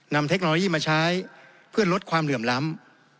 เทคโนโลยีมาใช้เพื่อลดความเหลื่อมล้ำ